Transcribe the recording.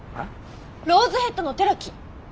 ローズヘッドの寺木。